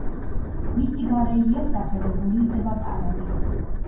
მისი გარე იერსახე რეგულირდება კანონით.